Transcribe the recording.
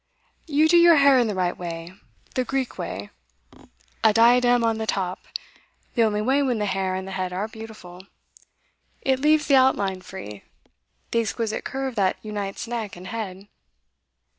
'You do your hair in the right way the Greek way. A diadem on the top the only way when the hair and the head are beautiful. It leaves the outline free the exquisite curve that unites neck and head.